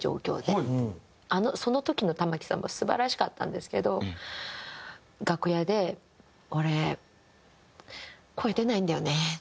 その時の玉置さんも素晴らしかったんですけど楽屋で「俺声出ないんだよね。